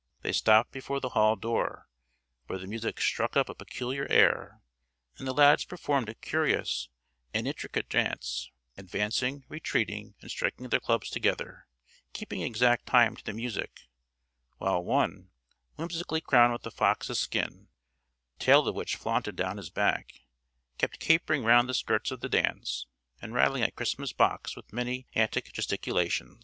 They stopped before the hall door, where the music struck up a peculiar air, and the lads performed a curious and intricate dance, advancing, retreating, and striking their clubs together, keeping exact time to the music; while one, whimsically crowned with a fox's skin, the tail of which flaunted down his back, kept capering round the skirts of the dance, and rattling a Christmas box with many antic gesticulations.